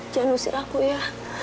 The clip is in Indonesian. jangan usir aku ya